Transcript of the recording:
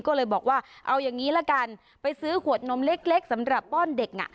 ก็เลยบอกว่าเอาอย่างนี้ละกันไปซื้อขวดนมเล็กสำหรับป้อนเด็กน่ะ